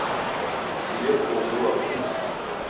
Siw'ekuobua kungi.